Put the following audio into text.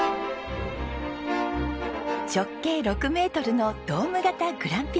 直径６メートルのドーム型グランピング施設。